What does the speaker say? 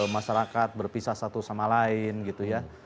masyarakat berpisah satu sama lain gitu ya